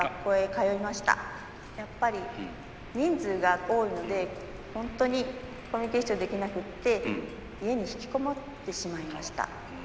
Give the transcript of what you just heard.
やっぱり人数が多いので本当にコミュニケーションできなくて家に引きこもってしまいました。